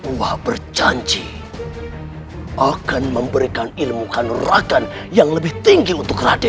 wah berjanji akan memberikan ilmu hanurakan yang lebih tinggi untuk raden